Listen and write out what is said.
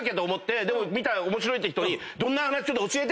見た面白いって人に。